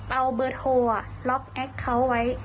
เอาเบอร์โทรล็อกแอคเคาน์ไว้